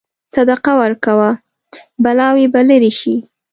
صدقه ورکوه، بلاوې به لرې شي.